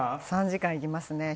３時間、行きます。